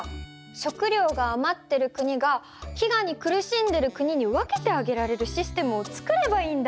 食料があまってる国が飢餓に苦しんでる国に分けてあげられるシステムを作ればいいんだ。